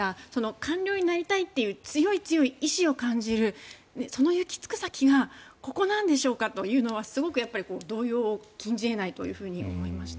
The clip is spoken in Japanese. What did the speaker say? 官僚になりたいという強い強い意思を感じるその行き着く先がここなんでしょうかというのはすごく動揺を禁じ得ないと思いました。